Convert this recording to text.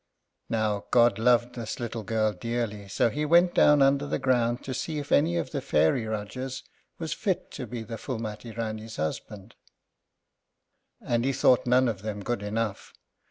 Now, God loved this girl dearly, so he went down under the ground to see if any of the fairy Rájás was fit to be the Phúlmati Rání's husband, and he thought none of them good enough.